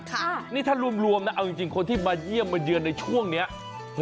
ค่ะนี่ถ้ารวมนะเอาจริงคนที่มาเยี่ยมมาเยือนในช่วงเนี้ย